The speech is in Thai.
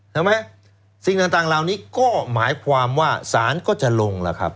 ใช่ไหมสิ่งต่างเหล่านี้ก็หมายความว่าศาลก็จะลงล่ะครับ